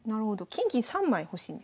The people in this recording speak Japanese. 金銀３枚欲しいんですね。